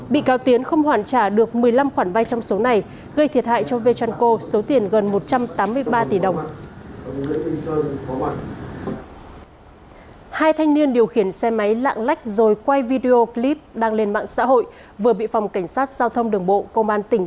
bị cáo tiến không hoàn trả được một mươi năm khoản vay trong số này gây thiệt hại cho vechalco số tiền gần một trăm tám mươi ba tỷ đồng